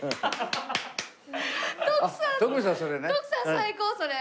徳さん徳さん最高それ。